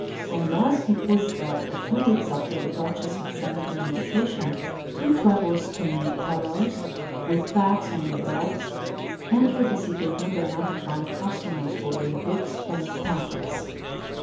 And thus it was that, a few weeks after the Duchess had sent her invitation, two travel stained pedlars, with packs on their backs, entered the city of Modena to find customers for their books and phamphlets.